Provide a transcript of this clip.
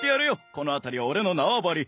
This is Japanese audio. この辺りは俺の縄張り。